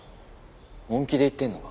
本気で言ってるのか？